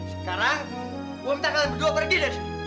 sekarang gue minta kalian berdua pergi dari sini